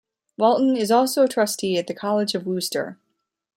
Walton is also a trustee at The College of Wooster.